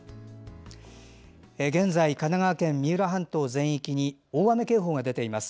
現在、神奈川県三浦半島全域に大雨警報が出ています。